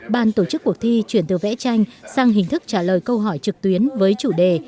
ban tổ chức cuộc thi chuyển từ vẽ tranh sang hình thức trả lời câu hỏi trực tuyến với chủ đề